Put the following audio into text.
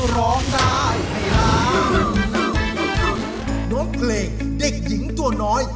น้องเพลงเด็กหญิงตัวน้อย